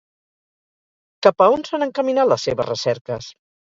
Cap a on s'han encaminat les seves recerques?